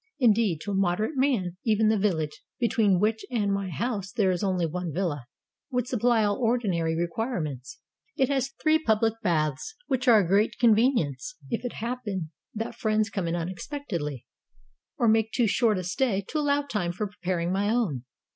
Indeed, to a moderate man, even the village (between which and my house there is only one villa) would supply all ordinary re quirements. It has three public baths, which are a great convenience if it happen that friends come in unex 489 ROME pectedly, or make too short a stay to allow time for preparing my own.